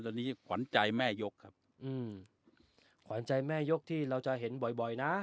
ตอนนี้ขวัญใจแม่ยกครับอืมขวัญใจแม่ยกที่เราจะเห็นบ่อยบ่อยนะ